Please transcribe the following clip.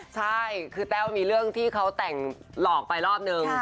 ใช่คือแต้วมีเรื่องที่เขาแต่งหลอกไปรอบนึง